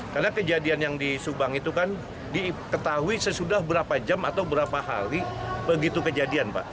karena kejadian yang di subang itu kan diketahui sesudah berapa jam atau berapa hari begitu kejadian pak